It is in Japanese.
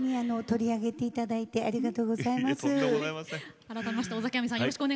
取り上げていただいてありがとうございます。